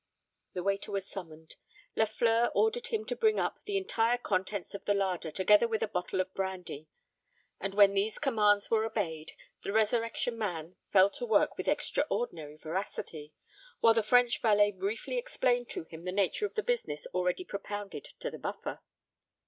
The waiter was summoned: Lafleur ordered him to bring up the entire contents of the larder, together with a bottle of brandy; and when these commands were obeyed, the Resurrection Man fell to work with extraordinary voracity, while the French valet briefly explained to him the nature of the business already propounded to the Buffer.